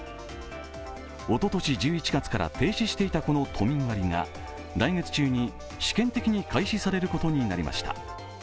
一昨年１１月から停止していたこの都民割が来月中に試験的に開始されることになりました。